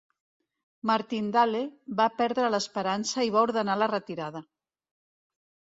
Martindale va perdre l'esperança i va ordenar la retirada.